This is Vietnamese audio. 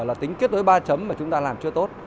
là tính kết nối ba mà chúng ta làm chưa tốt